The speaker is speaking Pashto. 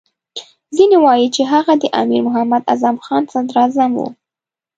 ځینې وایي چې هغه د امیر محمد اعظم خان صدراعظم وو.